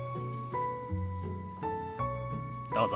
どうぞ。